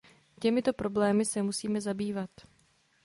Těmito problémy se musíme zabývat.